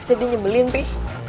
bisa di nyebelin pi